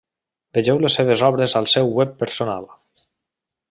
Vegeu les seves obres al seu Web personal.